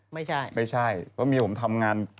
ไม่ใช่เพราะเมียผมทำงาน